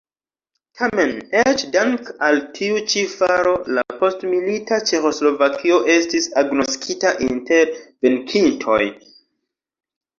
Tamen eĉ dank' al tiu ĉi faro la postmilita Ĉeĥoslovakio estis agnoskita inter venkintoj.